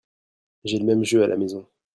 J'ai le même jeu à la maison.